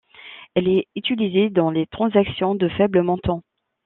Elle est utilisée dans les transactions de faibles montants.